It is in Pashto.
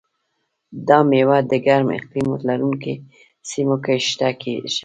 دا مېوه د ګرم اقلیم لرونکو سیمو کې شنه کېږي.